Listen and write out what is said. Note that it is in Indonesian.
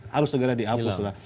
harus segera dihapus lah